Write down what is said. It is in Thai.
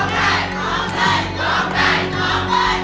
ร้องได้